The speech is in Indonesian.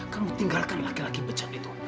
kamu tinggalkan laki laki pecat itu